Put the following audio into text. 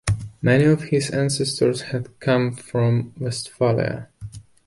Many of his ancestors had come from Westphalia.